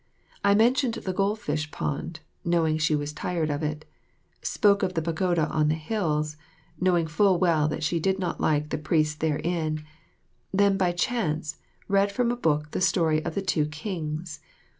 I mentioned the Goldfish Pond, knowing she was tired of it; spoke of the Pagoda on the Hills, knowing full well that she did not like the priests therein; then, by chance, read from a book the story of the two kings.